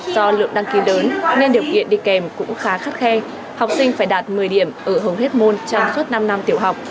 do lượng đăng ký lớn nên điều kiện đi kèm cũng khá khắt khe học sinh phải đạt một mươi điểm ở hầu hết môn trong suốt năm năm tiểu học